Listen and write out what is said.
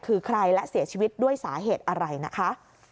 คือใครและเสียชีวิตด้วยสาเหตุอะไรนะคะ